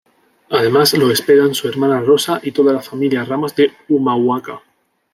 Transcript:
Además lo esperan su hermana Rosa y toda la familia Ramos de Humahuaca.